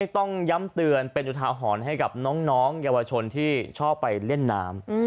ต้องย้ำเตือนเป็นอุทาหรณ์ให้กับน้องเยาวชนที่ชอบไปเล่นน้ำ